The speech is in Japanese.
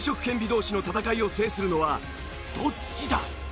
同士の戦いを制するのはどっちだ？